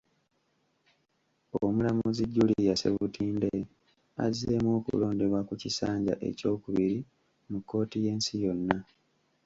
Omulamuzi Julia Ssebutinde, azzeemu okulondebwa ku kisanja ekyokubiri mu kkooti y'ensi yonna.